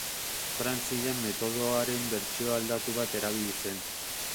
Frantzian metodoaren bertsio aldatu bat erabili zen.